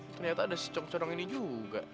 ternyata ada si concorang ini juga